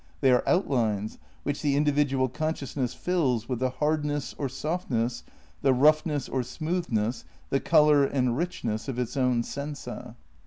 They are outlines which the individual con sciousness fills with the hardness or softness, the roughness or smoothness, the colour and richness of its own sensa.